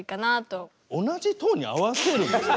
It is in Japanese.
同じトーンに合わせるんですか？